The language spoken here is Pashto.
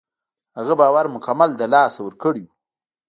هغه باور مکمل له لاسه ورکړی و.